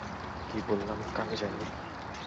কি বললাম কানে যায়নি?